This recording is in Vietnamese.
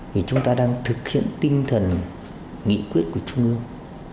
thì chúng ta đang thực hiện tinh thần nghị quyết của trung ương